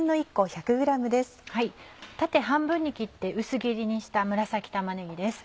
縦半分に切って薄切りにした紫玉ねぎです。